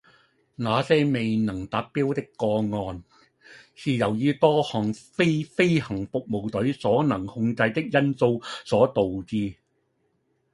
那些未能達標的個案，是由於多項非飛行服務隊所能控制的因素所導致